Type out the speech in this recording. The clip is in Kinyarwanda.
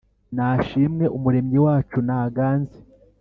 nashimwe umuremyi wacu naganze